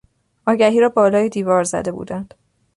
آگهی را بالای دیوار زده بودند.